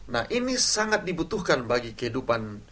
nah ini sangat dibutuhkan bagi kehidupan